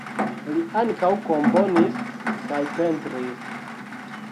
Li ankaŭ komponis kaj pentris.